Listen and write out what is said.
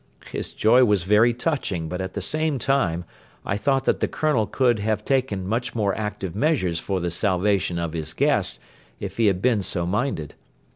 His joy was very touching but at the same time I thought that the Colonel could have taken much more active measures for the salvation of his guest, if he had been so minded.